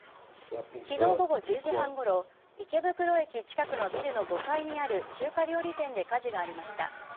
昨日午後１０時半ごろ池袋駅近くのビルの５階にある中華料理店で火事がありました。